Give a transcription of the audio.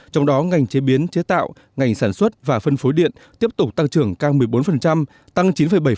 trong đó ngành chế biến chế tạo ngành sản xuất và phân phối điện tiếp tục tăng trưởng cao một mươi bốn tăng chín bảy